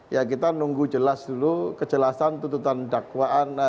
ya kita nunggu jelas dulu kejelasan tuntutan dakwaan